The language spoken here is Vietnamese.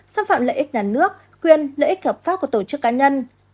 xâm phạm lợi ích nhà nước quyền lợi ích hợp pháp của tổ chức cá nhân